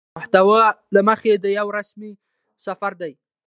د محتوا له مخې دا يو رسمي سفر دى